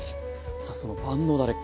さあその万能だれ